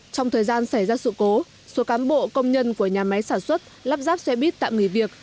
trong thời gian xảy ra sự cố số cán bộ công nhân của nhà máy sản xuất lắp ráp xe buýt tạm nghỉ việc